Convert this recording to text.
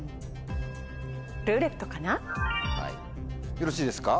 よろしいですか？